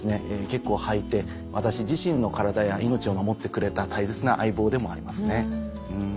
結構履いて私自身の体や命を守ってくれた大切な相棒でもありますね。